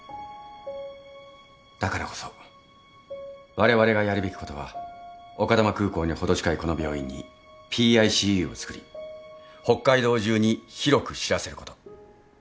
だからこそわれわれがやるべきことは丘珠空港に程近いこの病院にＰＩＣＵを作り北海道中に広く知らせること。